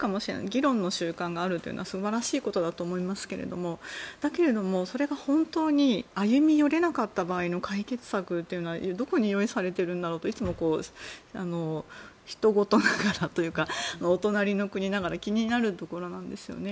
議論の習慣があるのは素晴らしいことだと思いますけれどもだけれども、それが本当に歩み寄れなかった場合の解決策というのはどこに用意されているんだろうといつも、ひとごとながらというかお隣の国ながら気になるところなんですよね。